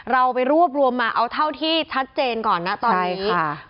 เราไปรวบรวมมาเอาเท่าที่ชัดเจนก่อนนะตอนนี้